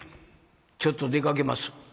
「ちょっと出かけます」。